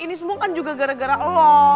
ini semua kan juga gara gara oh